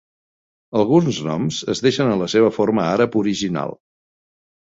Alguns noms es deixen en la seva forma àrab original.